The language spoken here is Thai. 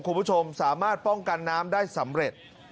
คุณผู้ชมสามารถป้องกันน้ำได้สำเร็จ